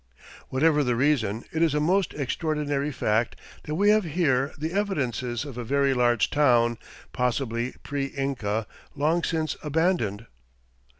Whatever the reason, it is a most extraordinary fact that we have here the evidences of a very large town, possibly pre Inca, long since abandoned.